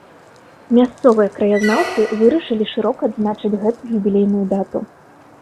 Мясцовыя краязнаўцы вырашылі шырока адзначыць гэту юбілейную дату.